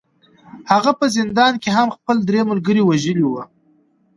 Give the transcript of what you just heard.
هغه په زندان کې هم خپل درې ملګري وژلي وو